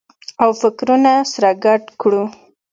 او فکرونه سره ګډ کړو